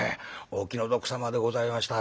お気の毒さまでございました。